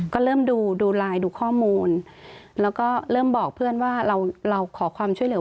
ก็เริ่มดูดูไลน์ดูข้อมูลแล้วก็เริ่มบอกเพื่อนว่าเราเราขอความช่วยเหลือ